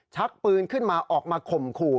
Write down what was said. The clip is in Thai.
ชักปืนขึ้นมาออกมาข่มขู่